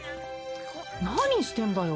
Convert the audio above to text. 何してんだよ。